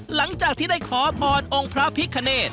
หลังจากที่ได้ขอพรองค์พระพิคเนต